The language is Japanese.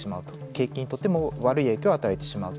景気にとっても悪い影響を与えてしまうと。